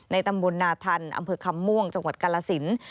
ในตำบลนาธันต์อำเภอคำม่วงจังหวัดกรสินทร์